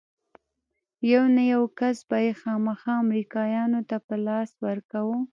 يو نه يو کس به يې خامخا امريکايانو ته په لاس ورکاوه.